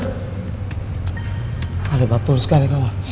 gak ada batul sekali kawan